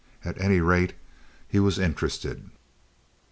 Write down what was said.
At any rate, he was interested.